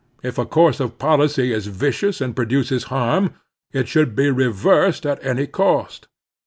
If a course of policy is vicious and produces harm it should be reversed at any cost.